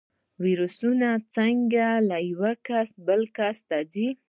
ویروسونه څنګه له یو کس بل ته ځي؟